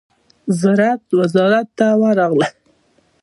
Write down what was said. زراعت وزارت ته ورغی.